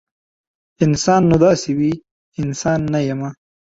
انسان نو داسې وي؟ انسان نه یمه